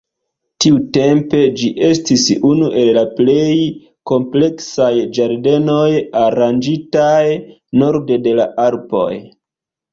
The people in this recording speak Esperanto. Tiutempe, ĝi estis unu el la plej kompleksaj ĝardenoj aranĝitaj norde de la Alpoj.